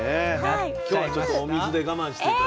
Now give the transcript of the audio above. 今日はちょっとお水で我慢して頂いて。